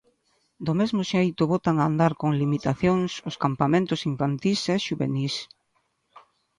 Do mesmo xeito, botan a andar con limitacións os campamentos infantís e xuvenís.